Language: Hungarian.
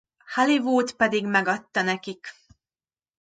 Hollywood pedig megadta nekik.